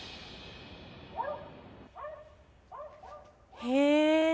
へえ。